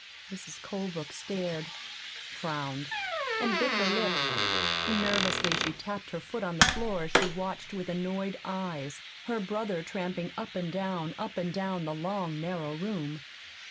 Mrs. Colebrook stared, frowned, and bit her lip. Nervously she tapped her foot on the floor as she watched with annoyed eyes her brother tramping up and down, up and down, the long, narrow room.